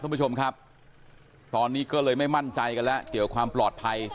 คุณผู้ชมครับตอนนี้ก็เลยไม่มั่นใจกันแล้วเกี่ยวความปลอดภัย